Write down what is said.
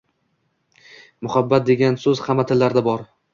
“Muhabbat” degan so’z hamma tillarda bor.